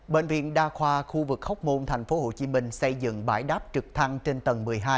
bệnh viện đa khoa khu vực hóc môn thành phố hồ chí minh xây dựng bãi đáp trực thăng trên tầng một mươi hai